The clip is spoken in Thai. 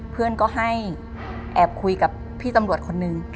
เพื่อนก็ให้แอบคุยกับพี่ตำรวจคนนึง